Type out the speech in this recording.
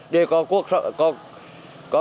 để có cuộc sống